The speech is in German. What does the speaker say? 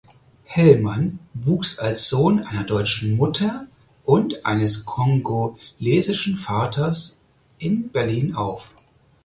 Hellmann wuchs als Sohn einer deutschen Mutter und eines kongolesischen Vaters in Berlin auf.